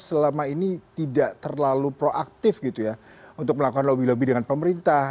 selama ini tidak terlalu proaktif gitu ya untuk melakukan lobby lobby dengan pemerintah